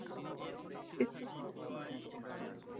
একটু পরে পাখাটা মাটিতে রেখে সে উঠে দাঁড়াল।